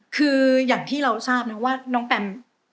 คืออย่างที่เราทราบนะว่าน้องแปม